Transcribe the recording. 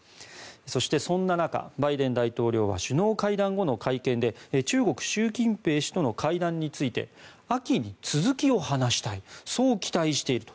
そして、そんな中バイデン大統領は首脳会談後の会見で中国、習近平氏との会談について秋に続きを話したいそう期待していると。